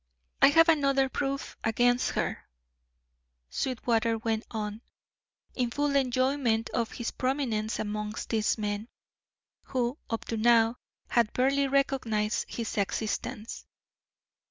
"I have another proof against her," Sweetwater went on, in full enjoyment of his prominence amongst these men, who, up to now, had barely recognised his existence.